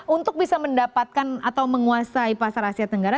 untuk bisa mendapatkan atau menguasai pasar asia tenggara